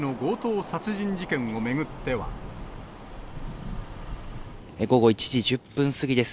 また、午後１時１０分過ぎです。